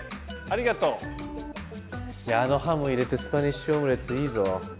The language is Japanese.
あのハム入れてスパニッシュオムレツいいぞ！